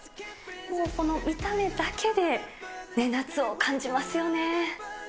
この見た目だけで夏を感じますよね。